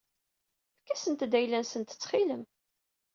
Efk-asent-d ayla-nsent ttxil-m.